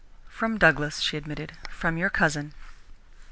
"From Douglas," she admitted, "from your cousin."